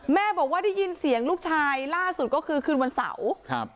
แม่บอกว่าได้ยินเสียงลูกชายล่าสุดก็คือคืนวันเสาร์ครับ